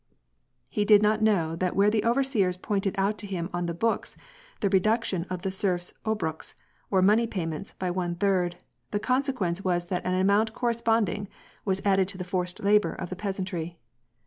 He did not know that where the overseers pointed out to him on the books the reduction of the serf's obrolcs, or money payments, by one third, the consequence was that an amount corresponding was added to the forced lal)or of the peasantry.